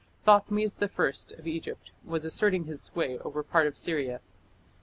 C. Thothmes I of Egypt was asserting his sway over part of Syria.